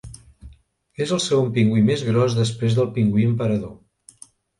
És el segon pingüí més gros després del pingüí emperador.